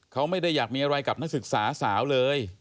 เขาไม่ได้อยากมีอะไรกับนักศึกษาสาวเลย